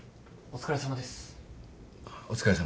お疲れさまです。